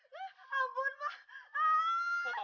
kenapa kalian ada disini